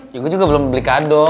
ya gue juga belum beli kado